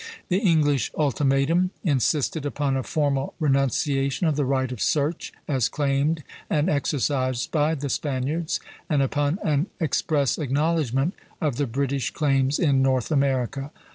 The English ultimatum insisted upon a formal renunciation of the right of search as claimed and exercised by the Spaniards, and upon an express acknowledgment of the British claims in North America.